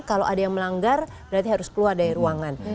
kalau ada yang melanggar berarti harus keluar dari ruangan